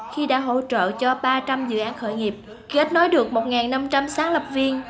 khi đã hỗ trợ cho ba trăm linh dự án khởi nghiệp kết nối được một năm trăm linh sáng lập viên